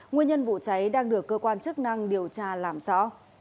nguyên nhân vụ cháy đang được cơ quan chức năng điều tra làm rõ